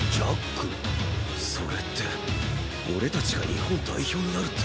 それって俺たちが日本代表になるって事か？